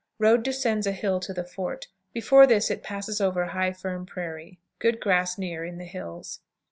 Road descends a hill to the fort; before this it passes over high, firm prairie. Good grass near in the hills.